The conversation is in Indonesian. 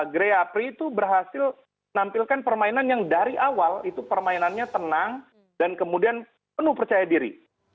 grey apri itu berhasil menampilkan permainan yang dari awal itu permainannya tenang dan kemudian penuh percaya diri